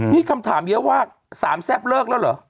นี่คำถามเยอะว่าสามแซ่บเลิกแล้วเหรอ